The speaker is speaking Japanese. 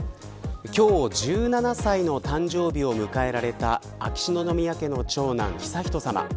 今日１７歳の誕生日を迎えられた秋篠宮家の長男、悠仁さま